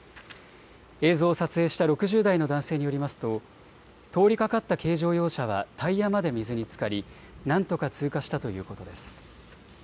映像を撮影した６０代の男性によりますと通りかかった軽乗用車はタイヤまで水につかりなんとか通過したということです。